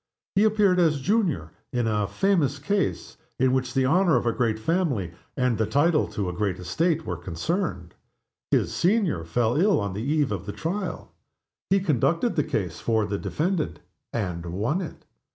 He appeared as "Junior" in "a famous case," in which the honor of a great family, and the title to a great estate were concerned. His "Senior" fell ill on the eve of the trial. He conducted the case for the defendant and won it.